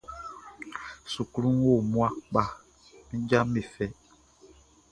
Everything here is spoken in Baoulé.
Sukluʼn wo mmua kpa, min jaʼm be fɛ.